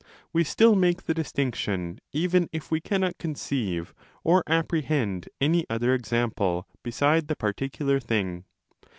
We still make the distinction even if we cannot conceive or apprehend any other example beside the particular thing.